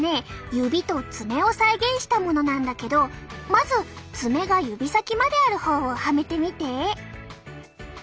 指と爪を再現したものなんだけどまず爪が指先まである方をはめてみて。